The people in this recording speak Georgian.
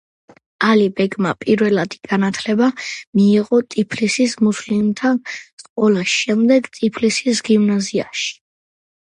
ალი ბეგმა პირველადი განათლება მიიღო ტიფლისის მუსლიმთა სკოლაში, შემდეგ ტიფლისის გიმნაზიაში.